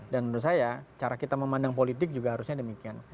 dan menurut saya cara kita memandang politik juga harusnya demikian